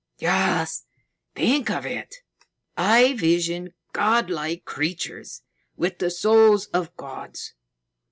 "Yes. Think of it! I visioned godlike creatures with the souls of gods.